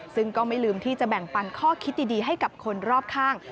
ซึ่งก็ไม่ลืมที่จะแบ่งปันข้อคิดดีให้กับคนรอบข้าง